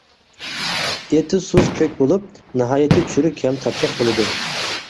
ئېتى سۇس كۆك بولۇپ، ناھايىتى چۈرۈك ھەم تاتلىق بولىدۇ.